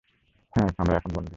হ্যাঁ, আমরা এখন বন্ধু।